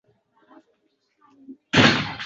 👉 xushnudbek 👈